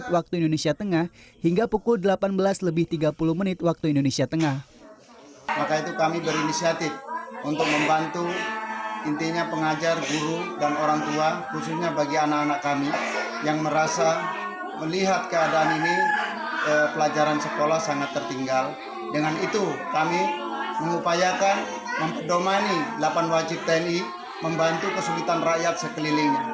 waktu indonesia tengah hingga pukul delapan belas tiga puluh